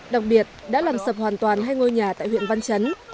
đặc biệt đã làm sập hoàn toàn hai ngôi nhà tại huyện văn chấn